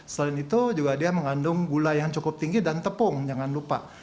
selain itu juga dia mengandung gula yang cukup tinggi dan tepung jangan lupa